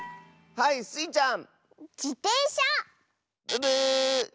はいスイちゃん！